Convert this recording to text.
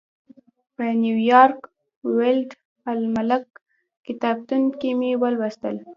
په نیویارک ورلډ الماناک کتابتون کې مې ولوستل.